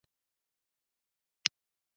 پاچا هر جمعه له خلکو سره ګوري .